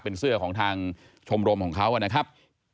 เป็นเสื้อของทางชมรมของเขานะครับ